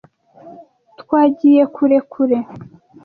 twagiye kure kure.